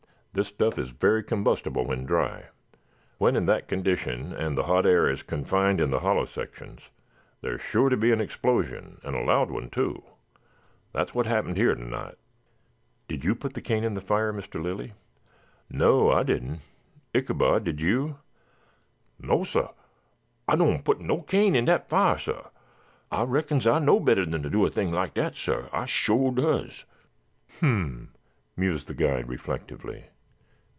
This stuff is very combustible when dry. When in that condition, and the hot air is confined in the hollow sections, there is sure to be an explosion and loud one, too. That is what happened here tonight." "Did you put cane on the fire, Mr. Lilly?" "No, I didn't. Ichabod, did you?" "No, sah, Ah doan' put no cane on dat fiah, sah. Ah reckons Ah know'd bettah dan to do a thing like dat, sah. Ah suah does." "Hm m m!" mused the guide reflectively.